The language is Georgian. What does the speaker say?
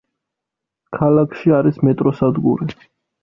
ქალაქში არის მეტროსადგური.